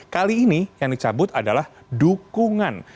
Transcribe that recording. kali ini yang dicabut adalah dukungan